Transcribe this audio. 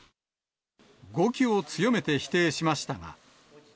語気を強めて否定しましたが。